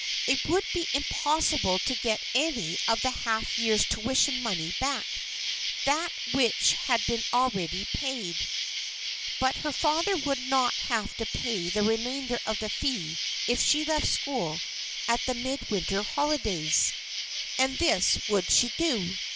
It would be impossible to get any of the half year's tuition money back that which had been already paid; but her father would not have to pay the remainder of the fee if she left school at the mid winter holidays. And this would she do.